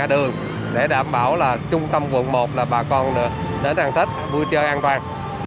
để đảm bảo là trung tâm quận một là bà con được đến hàng tết vui chơi an toàn